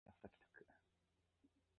広島市安佐北区